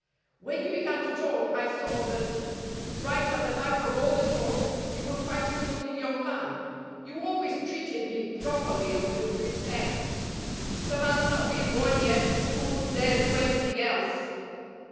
When you began to talk, I saw that right at the back of all the talk you were quite a good young man. You always treated me properly and with respect." "The man's not been born yet who would dare do anything else."